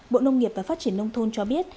bộ nông nghiệp và phát triển nông thôn cho biết